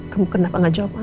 kamu kenapa gak jawab mama